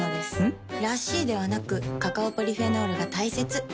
ん？らしいではなくカカオポリフェノールが大切なんです。